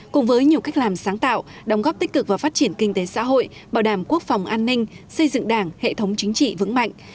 cùng với nhiều cách làm sáng tạo đóng góp tích cực vào phát triển kinh tế xã hội bảo đảm quốc phòng an ninh xây dựng đảng hệ thống chính trị vững mạnh